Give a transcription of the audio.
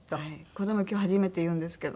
これも今日初めて言うんですけど。